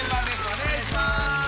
お願いします。